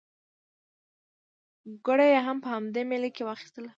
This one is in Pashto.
ګوړه یې هم په همدې مېله کې واخیستله.